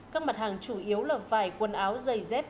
các mặt hàng chủ yếu là vải quần áo giày dép